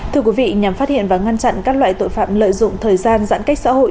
thưa quý vị nhằm phát hiện và ngăn chặn các loại tội phạm lợi dụng thời gian giãn cách xã hội